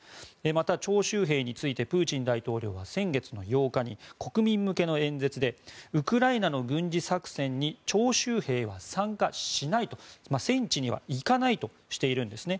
また、徴集兵についてプーチン大統領は先月の８日に国民向けの演説でウクライナの軍事作戦に徴集兵は参加しないと戦地には行かないとしているんですね。